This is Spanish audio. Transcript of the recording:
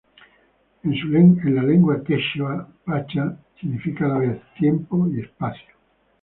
En lengua quechua, "pacha" significa, a la vez, tiempo y espacio.